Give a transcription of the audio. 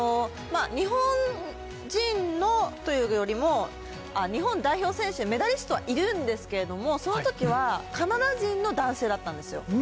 日本人のというよりも、日本代表選手、メダリストはいるんですけれども、そのときは、カナダ人の男性だったんですよ。